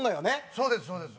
そうですそうです。